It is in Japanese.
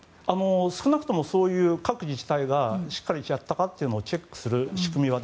少なくとも各自治体がしっかりやったかというのをチェックする仕組み